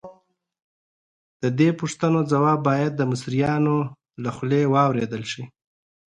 د دې پوښتنو ځواب باید د مصریانو له خولې واورېدل شي.